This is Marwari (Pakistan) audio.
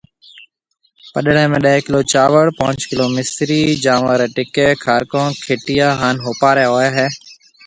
پڏݪيَ ۾ ڏھ ڪلو چاوݪ، پنجھ ڪلو مصرِي، جانور رَي ٽِڪيَ، کارڪون، کِٽيا ھان ھوپارَي ھوئيَ ھيََََ